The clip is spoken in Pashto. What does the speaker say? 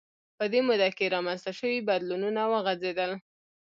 په دې موده کې رامنځته شوي بدلونونه وغځېدل